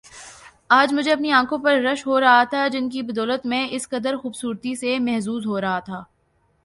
آج مجھے اپنی انکھوں پر رشک ہو رہا تھا جن کی بدولت میں اس قدر خوبصورتی سے محظوظ ہو رہا تھا